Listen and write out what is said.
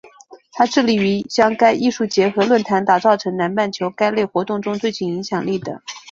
它致力于将该艺术节和论坛打造成南半球该类活动中最具影响力的。